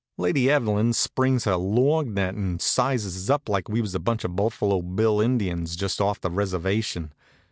Lady Evelyn springs her lorgnette and sizes us up like we was a bunch of Buffalo Bill Indians just off the reservation.